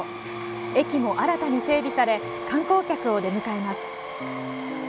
駅も新たに整備され観光客を出迎えます。